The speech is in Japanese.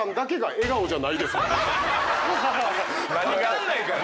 分かんないから！